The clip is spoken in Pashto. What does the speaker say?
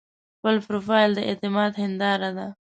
خپل پروفایل د اعتماد هنداره ده.